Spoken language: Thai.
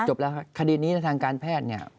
จบแล้วครับคดีนี้ในทางการแพทย์นี่